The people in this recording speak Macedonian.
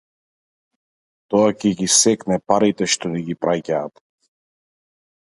Тоа ќе ги секне парите што ни ги праќаат